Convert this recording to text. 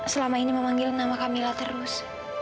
selama ini memanggil nama kamila terus